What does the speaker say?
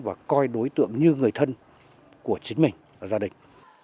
và coi đối tượng như người thân của chính mình và gia đình